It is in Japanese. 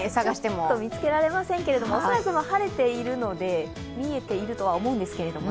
ちょっと見つけられませんけれども、恐らく晴れているので、見えているとは思うんですけど。